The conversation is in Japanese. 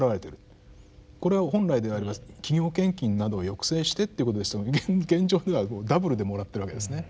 これは本来であれば企業献金などを抑制してっていうことですけど現状ではダブルでもらってるわけですね。